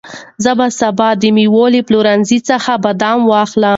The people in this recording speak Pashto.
زه به سبا د مېوو له پلورنځي څخه بادام واخلم.